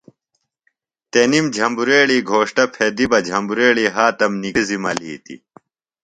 تنِم جھمبریڑی گھوݜٹہ پھیدیۡ بہ جھمبریڑیۡ ہاتم نِکرِزیۡ ملِیتیۡ۔